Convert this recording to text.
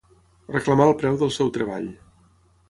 Reclamar el preu del seu treball.